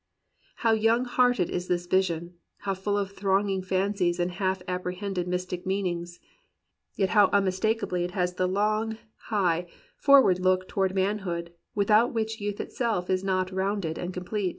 '* How young hearted is this vision, how full of thronging fancies and half apprehended mystic meanings ! Yet how unmistakably it has the long, high, forward look toward manhood, without which youth itself is not rounded and complete